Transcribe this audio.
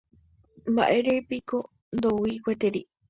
Mba'érepiko ndoúi gueteri.